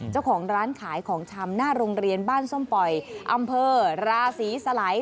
เจ้าของร้านขายของชำหน้าโรงเรียนบ้านส้มปล่อยอำเภอราศรีสไหล